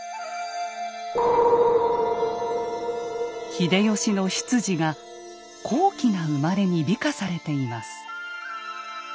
秀吉の出自が高貴な生まれに美化されています。